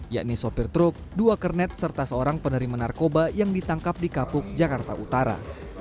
yakni sopir truk dua kernet serta seorang penerima narkoba yang ditangkap di kapuk jakarta utara